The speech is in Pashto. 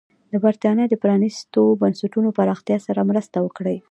د برېټانیا د پرانېستو بنسټونو پراختیا سره مرسته وکړي.